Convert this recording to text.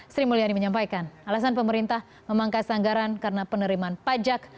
sri mulyani menyampaikan alasan pemerintah memangkas anggaran karena penerimaan pajak